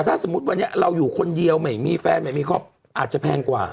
ถ้าสมมุติวันนี้ทุบคนเดียวไม่มีแฟมไม่มีค็อปออ่าจะแพงกว่า